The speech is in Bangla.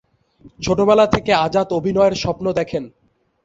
ছোটবেলা থেকে আজাদ অভিনয়ের স্বপ্ন দেখেন।